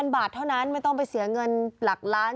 บาทเท่านั้นไม่ต้องไปเสียเงินหลักล้าน